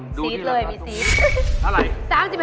สินทร์เลยมีสินทร์